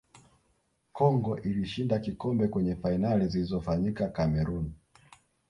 congo ilishinda kikombe kwenye fainali zilizofanyika cameroon